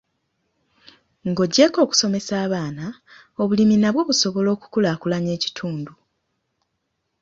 Ng'oggyeko okusomesa abaana, obulimi nabwo busobola okukulaakulanya ekitundu.